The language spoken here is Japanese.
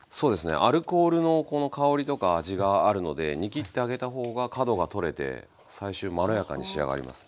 アルコールのこの香りとか味があるので煮きってあげた方が角が取れてまろやかに仕上がります。